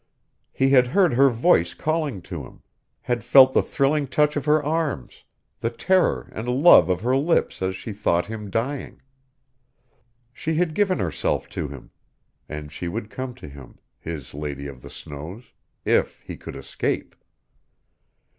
He had heard her voice calling to him, had felt the thrilling touch of her arms, the terror and love of her lips as she thought him dying. She had given herself to him; and she would come to him his lady of the snows if he could escape.